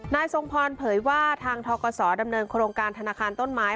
ทรงพรเผยว่าทางทกศดำเนินโครงการธนาคารต้นไม้